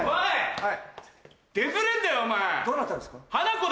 はい！